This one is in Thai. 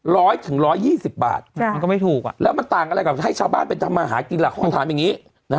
ร้อยถึงร้อยยี่สิบบาทแล้วมันต่างอะไรกับให้ชาวบ้านไปทำอาหารกินหลักของความถามอย่างนี้